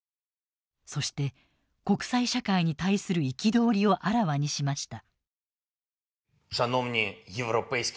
そして国際社会に対する憤りをあらわにしました。